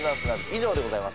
以上でございます。